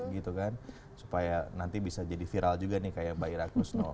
gitu kan supaya nanti bisa jadi viral juga nih kayak mbak ira kusno